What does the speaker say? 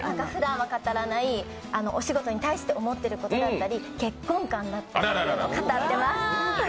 ふだんは語らないお仕事に対して思っていることだったり結婚観だったりを語っています。